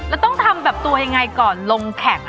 แล้วต้องทำแบบตัวยังไงก่อนลงแข่ง